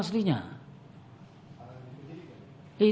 karena di penyidik ya